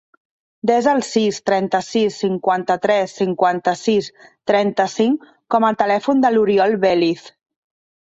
Desa el sis, trenta-sis, cinquanta-tres, cinquanta-sis, trenta-cinc com a telèfon de l'Oriol Veliz.